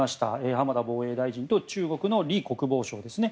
浜田防衛大臣と中国のリ国防相ですね。